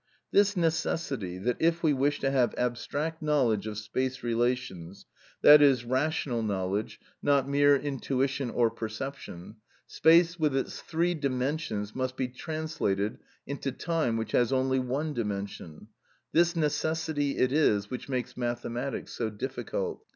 This necessity, that if we wish to have abstract knowledge of space relations (i.e., rational knowledge, not mere intuition or perception), space with its three dimensions must be translated into time which has only one dimension, this necessity it is, which makes mathematics so difficult.